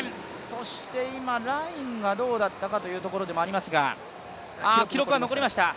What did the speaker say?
そしてラインがどうだったかというところですが、記録は残りました。